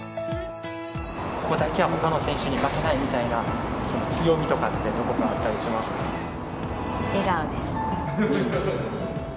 ここだけはほかの選手に負けないみたいな強みとかって、笑顔です。